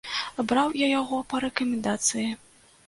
Браў я яго па рэкамендацыі.